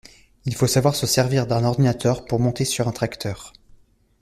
Il faut savoir se servir d’un ordinateur pour monter sur un tracteur.